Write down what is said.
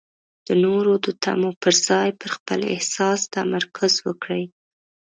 د نورو د تمو پر ځای پر خپل احساس تمرکز وکړئ.